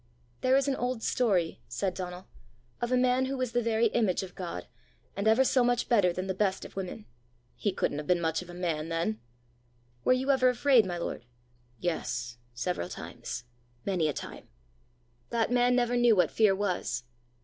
"There is an old story," said Donal, "of a man who was the very image of God, and ever so much better than the best of women." "He couldn't have been much of a man then!" "Were you ever afraid, my lord?" "Yes, several times many a time." "That man never knew what fear was."